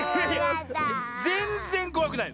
ぜんぜんこわくない！